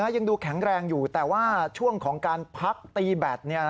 ยังดูแข็งแรงอยู่แต่ว่าช่วงของการพักตีแบต